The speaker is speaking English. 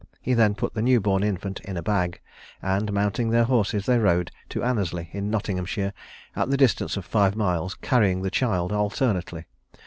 He then put the new born infant in a bag; and, mounting their horses, they rode to Annesley, in Nottinghamshire, at the distance of five miles, carrying the child alternately.